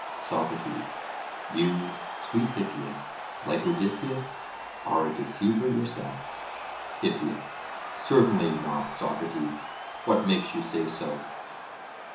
SOCRATES: You, sweet Hippias, like Odysseus, are a deceiver yourself. HIPPIAS: Certainly not, Socrates; what makes you say so?